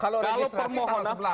kalau registrasi tanggal sebelas